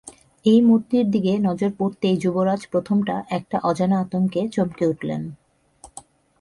এই মূর্তির দিকে নজর পড়তেই যুবরাজ প্রথমটা একটা অজানা আতঙ্কে চমকে উঠলেন।